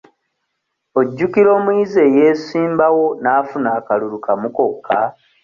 Ojjukira omuyizi eyeesimbawo n'afuna akalulu kamu kokka?